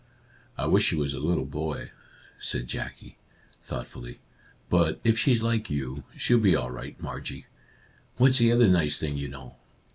" I wish she was a little boy," said Jackie, thoughtfully. " But if she's like you, she'll be all right, Margie. What's the other nice thing you know?"